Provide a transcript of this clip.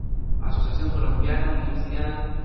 Asociación Colombiana de Universidades.